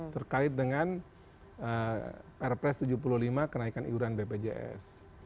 terkait dengan perpres tujuh puluh lima kenaikan iuran bpjs